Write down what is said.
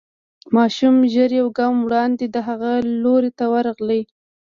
ماشومه ژر يو ګام وړاندې د هغه لوري ته ورغله.